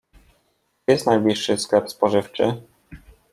Gdzie jest najbliższy sklep spożywczy?